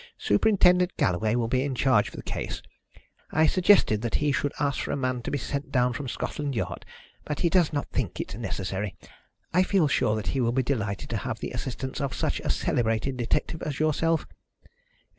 "Superintendent Galloway will be in charge of the case. I suggested that he should ask for a man to be sent down from Scotland Yard, but he does not think it necessary. I feel sure that he will be delighted to have the assistance of such a celebrated detective as yourself.